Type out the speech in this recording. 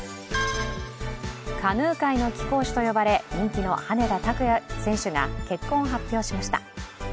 カヌー界の貴公子と呼ばれ人気の羽根田卓也選手が結婚を発表しました。